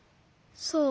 そう。